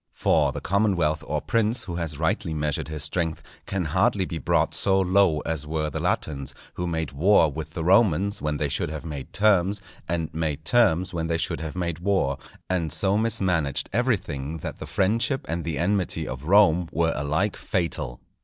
For the commonwealth or prince who has rightly measured his strength, can hardly be brought so low as were the Latins, who made war with the Romans when they should have made terms, and made terms when they should have made war, and so mismanaged everything that the friendship and the enmity of Rome were alike fatal.